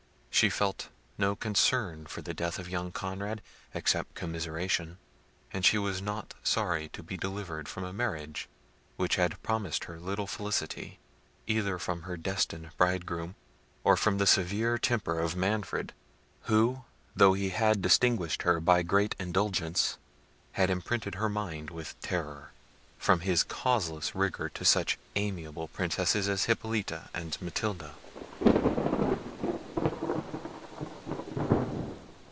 She felt no concern for the death of young Conrad, except commiseration; and she was not sorry to be delivered from a marriage which had promised her little felicity, either from her destined bridegroom, or from the severe temper of Manfred, who, though he had distinguished her by great indulgence, had imprinted her mind with terror, from his causeless rigour to such amiable princesses as Hippolita and Matilda.